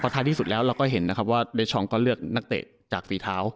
ท้ายที่สุดแล้วเราก็เห็นนะครับว่าเดชองก็เลือกนักเตะจากฝีเท้า